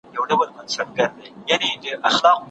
يوسف سورت په ډير حساس وخت کي نازل سوی دی.